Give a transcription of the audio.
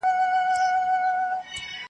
هغه زه یم چي په ټال کي پیغمبر مي زنګولی .